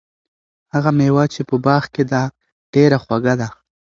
هغه مېوه چې په باغ کې ده، ډېره خوږه ده.